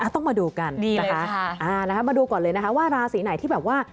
ต้องมาดูกันดีนะคะมาดูก่อนเลยนะคะว่าราศีไหนที่แบบว่า